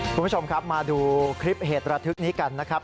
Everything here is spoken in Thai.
คุณผู้ชมครับมาดูคลิปเหตุระทึกนี้กันนะครับ